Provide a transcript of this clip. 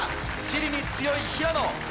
地理に強い平野。